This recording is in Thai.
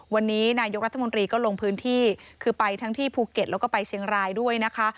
วันนี้นายกรัฐมนตรีก็ลงพื้นที่คือไปทั้งที่ภูเก็ตแล้วก็ไปเชียงรายด้วยนะคะ